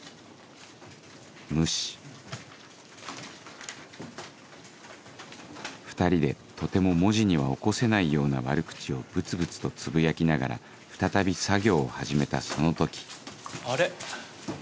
無視２人でとても文字には起こせないような悪口をぶつぶつとつぶやきながら再び作業を始めたその時あれ？